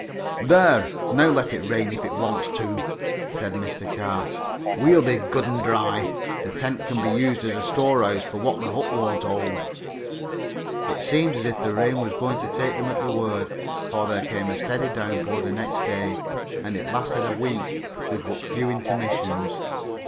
"There, now let it rain if it wants to," said Mr. Carr. "We'll be good and dry. The tent can be used as a storehouse for what the hut won't hold." It seemed as if the rain was going to take them at their word, for there came a steady downpour the next day, and it lasted a week with but few intermissions.